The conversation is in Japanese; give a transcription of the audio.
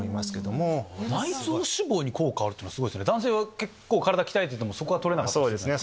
男性は結構体鍛えててもそこはとれなかった。